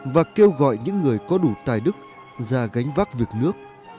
và kêu gọi những người có đủ tài đức ra gánh vác việc nước